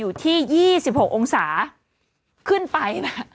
อยู่ที่๒๖องศาขึ้นไปนะ